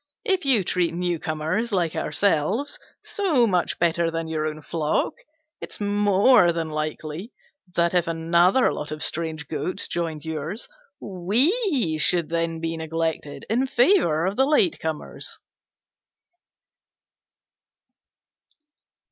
If you treat newcomers like ourselves so much better than your own flock, it's more than likely that, if another lot of strange goats joined yours, we should then be neglected in favour of the last comers."